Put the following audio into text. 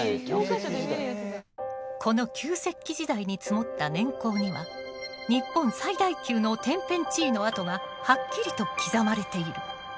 この旧石器時代に積もった年縞には日本最大級の天変地異の跡がはっきりと刻まれている。